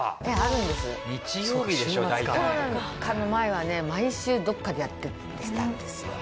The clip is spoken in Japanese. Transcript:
コロナ禍の前はね毎週どこかでやってたんですよ。